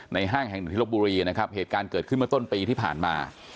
ห้างแห่งหนึ่งที่ลบบุรีนะครับเหตุการณ์เกิดขึ้นเมื่อต้นปีที่ผ่านมา